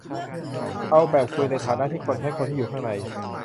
เอาแบบคุยในฐานะ คนที่ใช้ คนที่อยู่ข้างใน